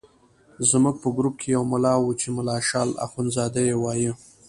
زموږ په ګروپ کې یو ملا وو چې ملا شال اخندزاده یې وایه.